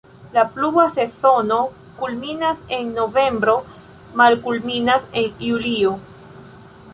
La pluva sezono kulminas en novembro, malkulminas en julio.